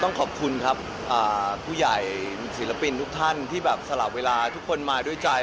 ต้องขอบคุณครับผู้ใหญ่ศิลปินทุกท่านที่แบบสลับเวลาทุกคนมาด้วยใจ